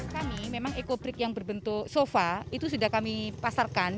kami memang ekobrik yang berbentuk sofa itu sudah kami pasarkan